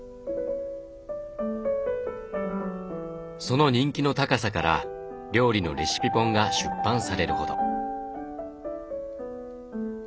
その人気の高さから料理のレシピ本が出版されるほど。